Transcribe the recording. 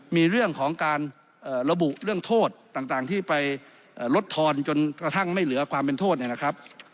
มีเรื่องของการระบุเรื่องโทษต่างที่ไปลดทอนจนกระทั่งไม่เหลือความเป็นโทษเนี่ยนะครับ